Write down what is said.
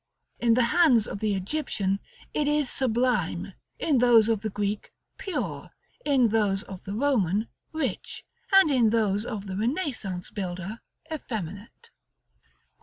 In the hands of the Egyptian, it is sublime; in those of the Greek, pure; in those of the Roman, rich; and in those of the Renaissance builder, effeminate.